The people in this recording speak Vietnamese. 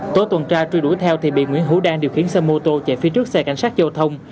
tổ tuần tra truy đuổi theo thì bị nguyễn hữu đang điều khiển xe mô tô chạy phía trước xe cảnh sát giao thông